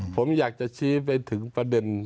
ผมอยากจะชี้ไปถึงประเด็น